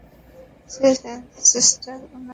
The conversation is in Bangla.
সিস্টার, উনার পাকস্থলী পরিষ্কার করুন।